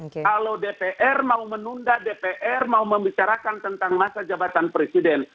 kalau dpr mau menunda dpr mau membicarakan tentang masa jabatan presiden